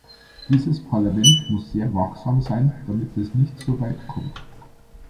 Dieses Parlament muss sehr wachsam sein, damit es nicht so weit kommt.